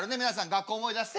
学校思い出して。